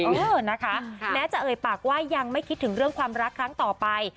เออนะคะแม้จะเอ่ยปากว่ายังไม่คิดถึงเรื่องความรักครั้งต่อไป